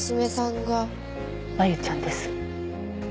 麻由ちゃんです。